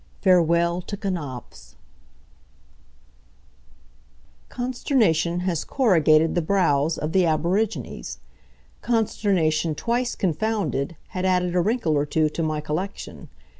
FAREWELL TO KNAPFS Consternation has corrugated the brows of the aborigines. Consternation twice confounded had added a wrinkle or two to my collection.